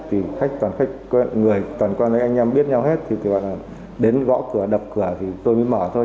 thì khách toàn khách người toàn quan với anh em biết nhau hết thì đến gõ cửa đập cửa thì tôi mới mở thôi